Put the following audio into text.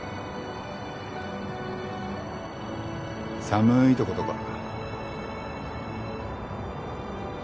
寒ーいとことか。